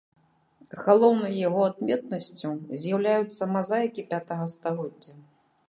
Галоўнай яго адметнасцю з'яўляюцца мазаікі пятага стагоддзя.